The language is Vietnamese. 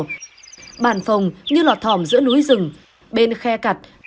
và bàn phòng như lọt thòm giữa núi rừng bên khe cặt